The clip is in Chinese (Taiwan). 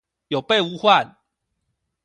有備無患